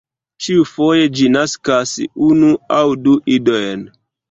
Ĉiufoje ĝi naskas unu aŭ du idojn.